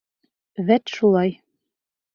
Вәт шулай!